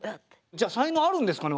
じゃあ才能あるんですかね